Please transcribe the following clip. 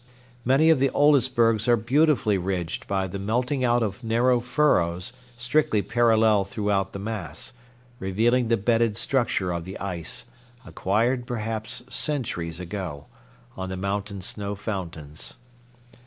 Many of the oldest bergs are beautifully ridged by the melting out of narrow furrows strictly parallel throughout the mass, revealing the bedded structure of the ice, acquired perhaps centuries ago, on the mountain snow fountains.